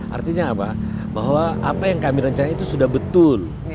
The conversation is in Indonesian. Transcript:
artinya apa bahwa apa yang kami rencana itu sudah betul